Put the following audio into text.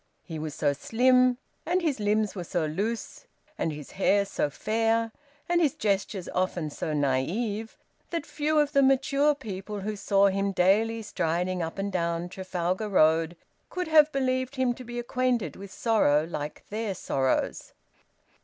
He was so slim, and his limbs were so loose, and his hair so fair, and his gestures often so naive, that few of the mature people who saw him daily striding up and down Trafalgar Road could have believed him to be acquainted with sorrow like their sorrows.